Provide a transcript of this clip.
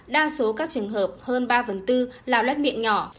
đa số các trường hợp hơn ba bốn là lết miệng nhỏ